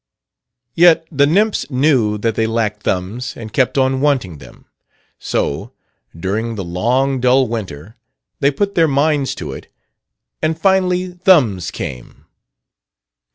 "Yet the nymphs knew that they lacked thumbs and kept on wanting them. So, during the long, dull winter, they put their minds to it, and finally thumbs came."